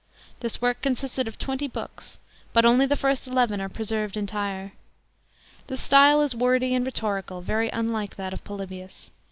This work consisted of twenty Books, but only the first eleven are preserved entire. The style is wordy and rhetorical, very unlike that of Polybius.